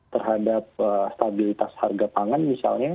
terhadap stabilitas harga pangan misalnya